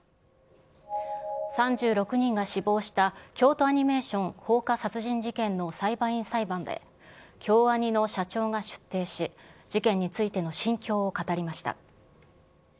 ３６人が死亡した京都アニメーション放火殺人事件の裁判員裁判で、京アニの社長が出廷し、事件についての心境を語りました。